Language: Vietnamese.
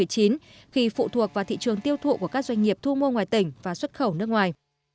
khi phụ thuộc vào thị trường tiêu thụ của các doanh nghiệp thu mua ngoài tỉnh và xuất khẩu nước ngoài